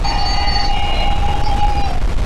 তিনি এই সম্পত্তির অধিকারী হবেন।